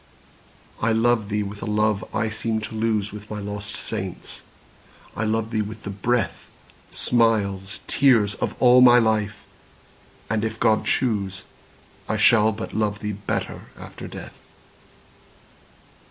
I love thee with a love I seemed to lose With my lost saints,—I love thee with the breath, Smiles, tears, of all my life!—and, if God choose, I shall but love thee better after death.